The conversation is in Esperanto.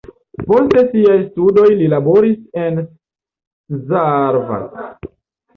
Post siaj studoj li laboris en Szarvas.